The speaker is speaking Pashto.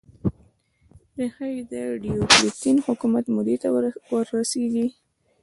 ریښه یې د ډیوکلتین حکومت مودې ته ور رسېږي.